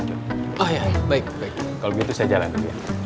eh enggak sih pak gue